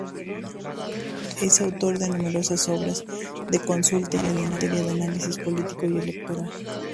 Es autor de numerosas obras de consulta en materia de análisis político y electoral.